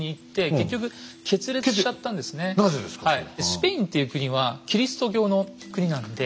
スペインっていう国はキリスト教の国なんで。